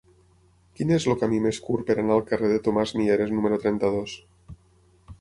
Quin és el camí més curt per anar al carrer de Tomàs Mieres número trenta-dos?